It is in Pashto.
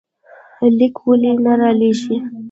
ليک ولې نه رالېږې؟